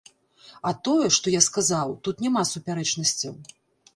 А тое, што я сказаў, тут няма супярэчнасцяў.